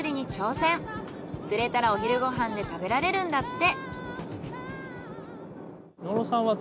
釣れたらお昼ご飯で食べられるんだって。